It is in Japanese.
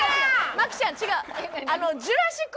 麻貴ちゃん違う。